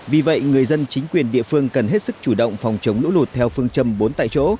vì vậy người dân chính quyền địa phương cần hết sức chủ động phòng chống lũ lụt theo phương châm bốn tại chỗ